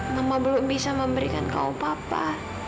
mama belum bisa memberikan kau papa